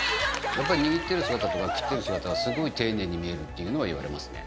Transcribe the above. やっぱり握ってる姿とか切ってる姿がすごく丁寧に見えるっていうのは言われますね。